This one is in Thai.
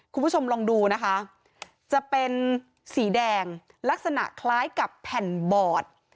คุณผู้ชมลองดูนะคะจะเป็นสีแดงลักษณะคล้ายกับแผ่นบอด